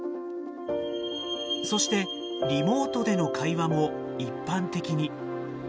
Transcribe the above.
そしてリモートでの会話も一般的に。